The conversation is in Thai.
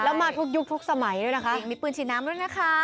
แล้วมาทุกยุคทุกสมัยด้วยนะคะมีปืนฉีดน้ำด้วยนะคะ